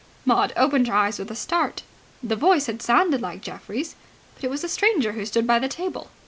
Maud opened her eyes with a start. The voice had sounded like Geoffrey's. But it was a stranger who stood by the table.